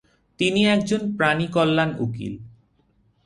তিনি একজন প্রাণী কল্যাণ উকিল।